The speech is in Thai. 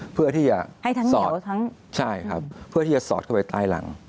เพื่อที่จะสอดใช่ครับเพื่อที่จะสอดเข้าไปใต้หลัง